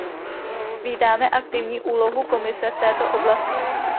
Vítáme aktivní úlohu Komise v této oblasti.